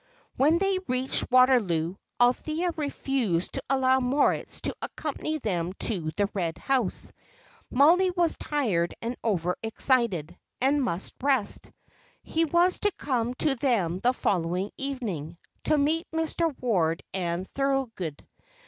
When they reached Waterloo, Althea refused to allow Moritz to accompany them to the Red House. Mollie was tired and over excited, and must rest. He was to come to them the following evening, to meet Mr. Ward and Thorold.